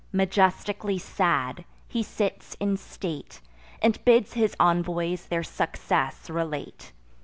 Majestically sad, he sits in state, And bids his envoys their success relate.